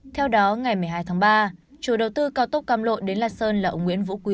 theo đó ngày một mươi hai tháng ba chủ đầu tư cao tốc cam lộ đến la sơn là ông nguyễn vũ quý